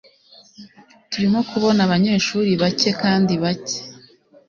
turimo kubona abanyeshuri bake kandi bake